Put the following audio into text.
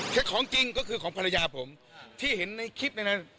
ของจริงก็คือของภรรยาผมที่เห็นในคลิปในนั้น